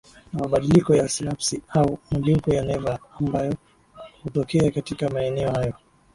na mabadiliko ya sinapsi au mageuko ya neva ambayo hutokea katika maeneo hayo